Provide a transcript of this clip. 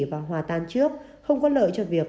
và hòa tan trước không có lợi cho việc